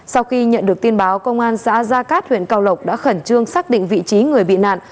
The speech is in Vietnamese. sau khi nhận được tin báo công an xã gia cát huyện cao lộc đã khẩn trương xác định vị trí người bị nạn